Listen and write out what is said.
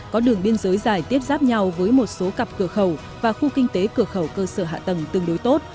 có đường biên giới dài tiếp giáp nhau với một số cặp cửa khẩu và khu kinh tế cửa khẩu cơ sở hạ tầng tương đối tốt